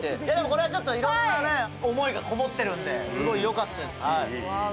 これはいろんな思いがこもってるんで、すごいよかった。